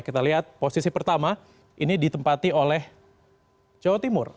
kita lihat posisi pertama ini ditempati oleh jawa timur